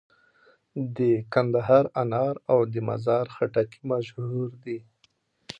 د کندهار انار او د مزار خټکي مشهور دي.